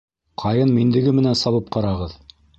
Ҡайын миндеге менән сабып ҡарағыҙ.